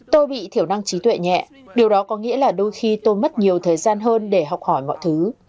tôi bị thiểu năng trí tuệ nhẹ điều đó có nghĩa là đôi khi tôi mất nhiều thời gian hơn để học hỏi mọi thứ